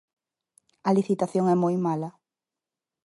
A licitación é moi mala.